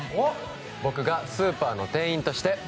僕がスーパーの店員として。